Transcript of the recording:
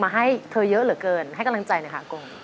ให้เธอเยอะเหลือเกินให้กำลังใจหน่อยค่ะโก